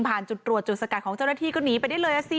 จุดตรวจจุดสกัดของเจ้าหน้าที่ก็หนีไปได้เลยสิ